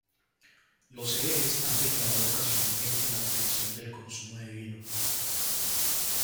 Los herejes han declarado ocasionalmente la abstención del consumo de vino.